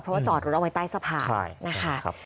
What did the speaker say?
เพราะว่าจอดรถเอาไว้ใต้สะพานนะคะ